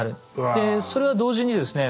でそれは同時にですね